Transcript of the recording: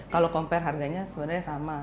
kalau compare harganya sebenarnya sama